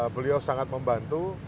beliau sangat membantu